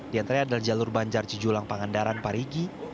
di antara ini adalah jalur banjar cijulang pangandaran parigi